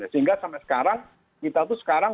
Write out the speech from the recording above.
sehingga sampai sekarang kita tuh sekarang